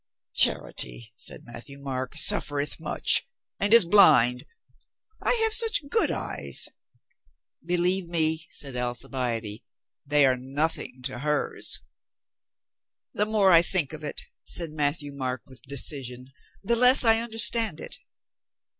"Charity," said Matthieu Marc, "suffereth much. And is blind. I have such good eyes." "Believe me," said Alcibiade, "they are nothing to hers." "The more I think of it," said Matthieu Marc with decision, "the less I understand it."